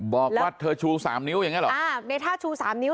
บอกว่าเธอชูสามนิ้วอย่างเงี้เหรออ่าในท่าชูสามนิ้ว